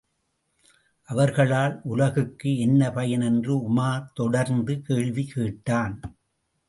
அவர்களால் உலகுக்கு என்ன பயன் என்று உமார் தொடர்ந்து கேள்வி கேட்டான்.